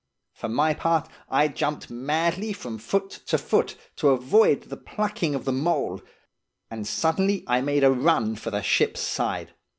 For my part, I jumped madly from foot to foot, to avoid the plucking of the mould; and suddenly I made a run for the ship's side.